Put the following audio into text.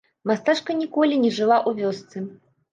Мастачка ніколі не жыла ў вёсцы.